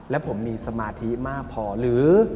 และผมมีสมาธิมากพอหรือ